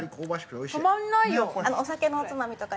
お酒のおつまみとかに。